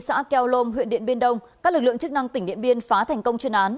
xã keom huyện điện biên đông các lực lượng chức năng tỉnh điện biên phá thành công chuyên án